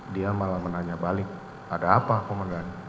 dia malah menanya balik ada apa komandannya